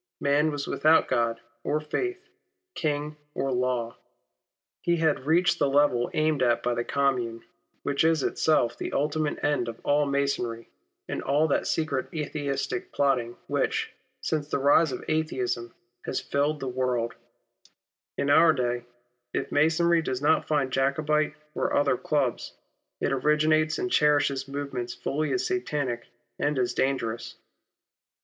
Man was without God or Faith, King or Law. He had reached the level aimed at by the Commune, which is itself the ultimate end of all Masonry, and all that secret Atheistic plotting which, since the rise of Atheism, has filled the world. THE INTERNATIONAL, THE NIHILISTS, THE BLACK HAND, ETC. Ill In our day, if Masonry does not found Jacobite or otlier clubs, it originates and cherishes movements fully as satanic and as dangerous.